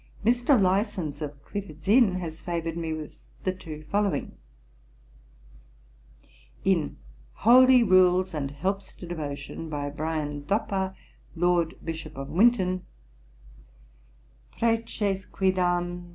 Mr. Lysons, of Clifford's Inn, has favoured me with the two following: In Holy Rules and Helps to Devotion, by Bryan Duppa, Lord Bishop of Winton, '_Preces quidam